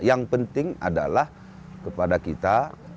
yang penting adalah kepada kita